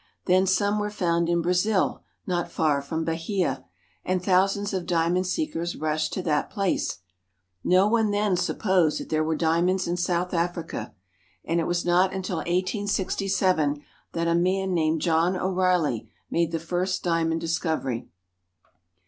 Then some were found in Brazil not far from I l Bahia, and thousands of diamond seekers rushed to that I Iplace. No one then supposed that there were diamonds 1 |%i South Africa, and it was not until 1867 that a man | Earned John O'Reilly made the first diamond discovery.